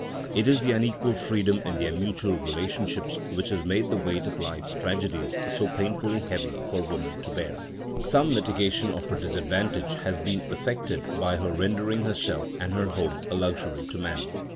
It is the unequal freedom in their mutual relationships which has made the weight of life's tragedies so painfully heavy for woman to bear. Some mitigation of her disadvantage has been effected by her rendering herself and her home a luxury to man.